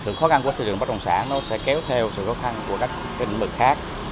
từ sự khó khăn của thị trường bất động sản nó sẽ kéo theo sự khó khăn của các định mực khác